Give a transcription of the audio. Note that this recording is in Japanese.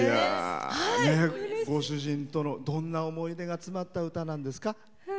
ご主人とどんな思い出が詰まった歌なんですか？